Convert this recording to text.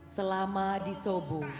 selama di sobo